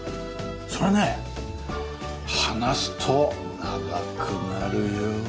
それね話すと長くなるよ。